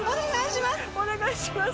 お願いします！